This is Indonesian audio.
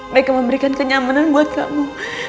mereka memberikan kenyamanan buat kamu